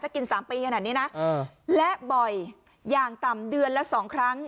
จะกินสามปีขนาดนี้นะเออและบ่อยอย่างต่ำเดือนละสองครั้ง